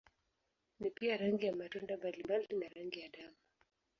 Ni pia rangi ya matunda mbalimbali na rangi ya damu.